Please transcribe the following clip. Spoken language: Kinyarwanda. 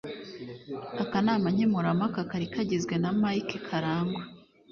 Akanama nkemurampaka kari kagizwe na Mike Karangwa